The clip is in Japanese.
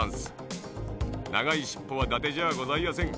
ながいしっぽはだてじゃあございやせん。